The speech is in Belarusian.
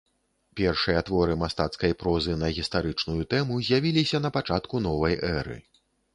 Першыя творы мастацкай прозы на гістарычную тэму з'явіліся на пачатку новай эры.